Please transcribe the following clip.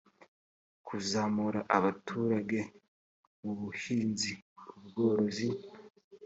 kuzamura abaturage mu buhinzi ubworozi